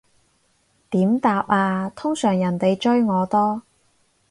點答啊，通常人哋追我多